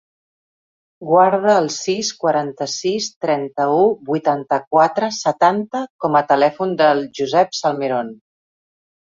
Guarda el sis, quaranta-sis, trenta-u, vuitanta-quatre, setanta com a telèfon del Josep Salmeron.